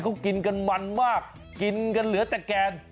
เขากินกันมันมากกินกันเหลือแต่แกน